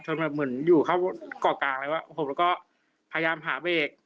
แบบเหมือนอยู่เข้าเกาะกลางเลยว่าผมแล้วก็พยายามหาเบรก